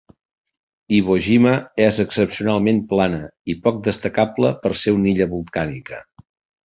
Iwo Jima és excepcionalment plana i poc destacable per ser una illa volcànica.